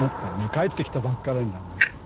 帰ってきたばっかりなのに。